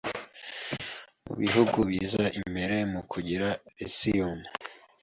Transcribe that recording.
mu bihugu biza imbere mu kugira “Lithium”